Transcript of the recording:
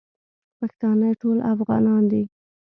پښتانه ټول افغانان دی.